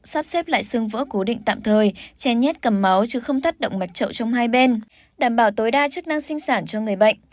sắp xếp lại xương vỡ cố định tạm thời che nhất cầm máu chứ không thắt động mạch trậu trong hai bên đảm bảo tối đa chức năng sinh sản cho người bệnh